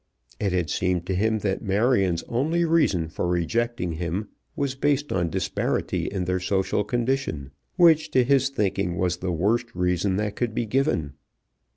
It had seemed to him that Marion's only reason for rejecting him was based on disparity in their social condition, which to his thinking was the worst reason that could be given.